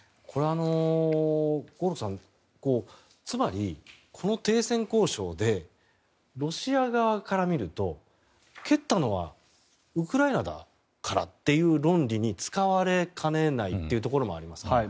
これは、つまりこの停戦交渉でロシア側から見ると蹴ったのはウクライナだからという論理に使われかねないというところもありますか。